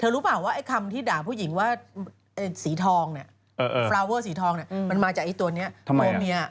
เธอรู้ป่ะว่าคำที่ด่าผู้หญิงว่าฟลาวเว่ออย์สีทองมันมาจากตัวนี้